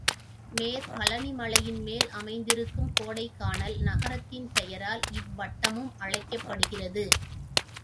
மேற்பழனிமலையின் மேல் அமைந்திருக்கும் கோடைக்கானல் நகரத்தின் பெயரால் இவ்வட்டமும் அழைக்கப்படுகிறது.